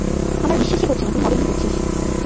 আমার বিশ্বাসই হচ্ছে না তুই মডেলিং করছিস।